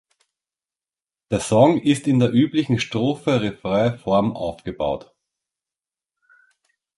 Der Song ist in der üblichen Strophe-Refrain-Form aufgebaut.